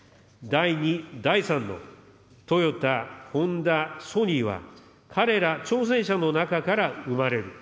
第２、第３のトヨタ、ホンダ、ソニーは、彼ら挑戦者の中から生まれる。